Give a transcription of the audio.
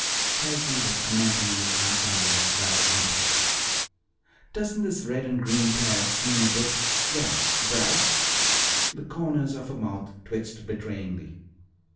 Charity was commenting upon this ensemble as Val entered. "Doesn't this red and green plaid seem a bit well, bright?" The corners of her mouth twitched betrayingly.